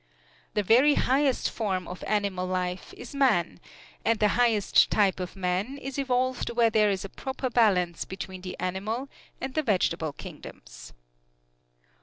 The very highest form of animal life is man; and the highest type of man is evolved where there is a proper balance between the animal and the vegetable kingdoms.